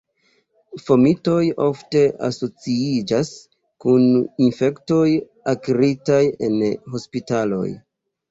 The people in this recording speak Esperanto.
Fomitoj ofte asociiĝas kun infektoj akiritaj en hospitaloj.